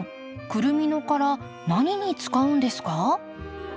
クルミの殻何に使うんですか？